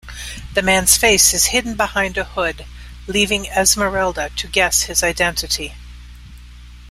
The man's face is hidden behind a hood, leaving Esmeralda to guess his identity.